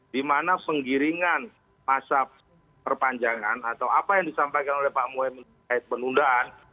di mana penggiringan masa perpanjangan atau apa yang disampaikan oleh pak muhaymin terkait penundaan